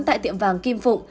tại tiệm vàng kim phụ